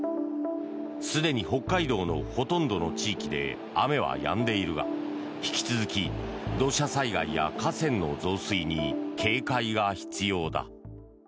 すでに北海道のほとんどの地域で雨はやんでいるが引き続き土砂災害や河川の増水に警戒が必要だ。